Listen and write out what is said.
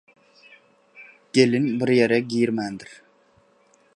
Gelin bir ýere girmändir.